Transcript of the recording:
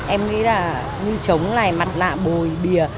em nghĩ là như chống này mặt nạ bồi bìa